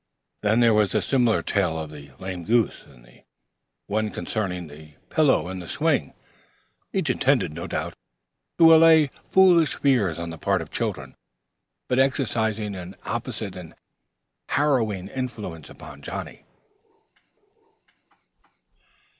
Then there was the similar tale of the lame goose, and the one concerning the pillow in the swing each intended, no doubt, to allay foolish fears on the part of children, but exercising an opposite and harrowing influence upon Johnnie.